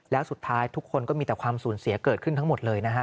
แล้วสุดท้ายทุกคนก็มีแต่ความสูญเสียเกิดขึ้นทั้งหมดเลยนะฮะ